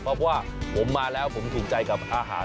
เพราะว่าผมมาแล้วผมถูกใจกับอาหาร